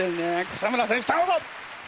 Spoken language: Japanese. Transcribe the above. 草村選手たのむぞ！